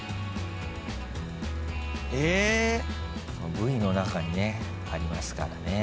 Ｖの中にありますからね。